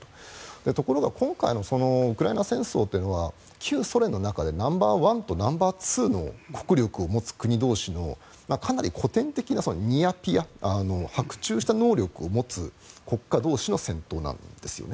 ところが今回のウクライナ戦争っていうのは旧ソ連の中でナンバーワンとナンバーツーの国力を持つ国同士のかなり古典的な、ニアピア伯仲した能力を持つ国家同士の戦争なんですよね。